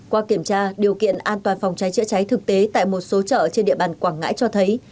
qua kiểm tra điều kiện an toàn phòng cháy chữa cháy thực tế tại một số chợ trên địa bàn quảng ngãi cho thấy